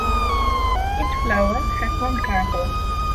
Each flower has one carpel.